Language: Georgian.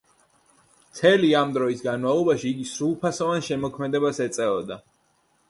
მთელი ამ დროის განმავლობაში იგი სრულფასოვან შემოქმედებას ეწეოდა.